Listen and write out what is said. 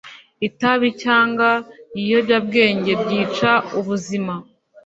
itabi cyangwa ibiyobyabwenge byica ubuzima.